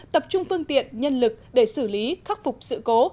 tập trung phương tiện nhân lực để xử lý khắc phục sự cố